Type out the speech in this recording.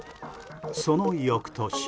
その翌年。